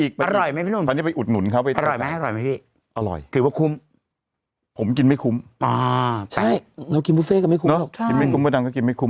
คือว่าคุ้ม